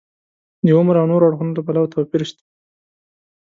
د عمر او نورو اړخونو له پلوه توپیر شته.